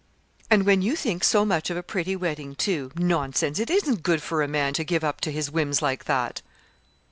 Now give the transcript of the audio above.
"And when you think so much of a pretty wedding, too? Nonsense! It isn't good for a man, to give up to his whims like that!"